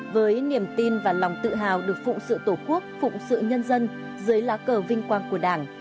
với niềm tin và lòng tự hào được phụng sự tổ quốc phụng sự nhân dân dưới lá cờ vinh quang của đảng